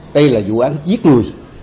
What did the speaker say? đây là vụ án giết người